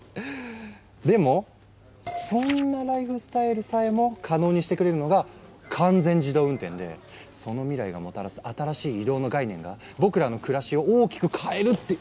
でもそんなライフスタイルさえも可能にしてくれるのが完全自動運転でその未来がもたらす新しい移動の概念が僕らの暮らしを大きく変えるって。